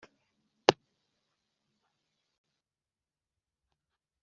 Ku masabato nta mudive ukora